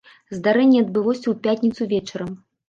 Здарэнне адбылося ў пятніцу вечарам.